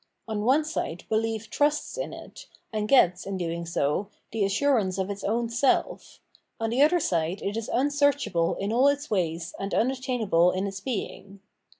On one side behef trusts in it, and gets, in doing so, the assurance of its own self, on the other side it is unsearchable in ah its ways and unattainable in its being.